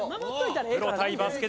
プロ対バスケ